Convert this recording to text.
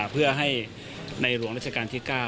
เพื่อให้ในหลวงราชการที่๙